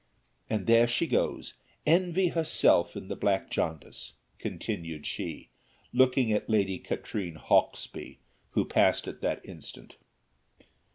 And there she goes, Envy herself in the black jaundice," continued she, looking at Lady Katrine Hawksby, who passed at that instant.